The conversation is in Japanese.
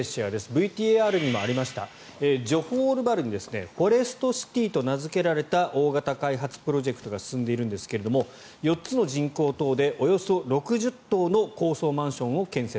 ＶＴＲにもありましたジョホールバルにフォレストシティーと名付けられた大型開発プロジェクトが進んでいるんですけれども４つの人工島でおよそ６０棟の高層マンションを建設。